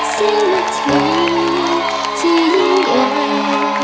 สิ่งที่ที่ยิ่งใหญ่